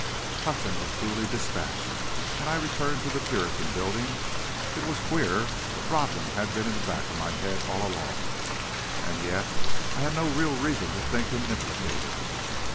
Hudson was duly dispatched, and I returned to the Puritan Building. It was queer, but Rodman had been in the back of my head all along, and yet, I had no real reason to think him implicated.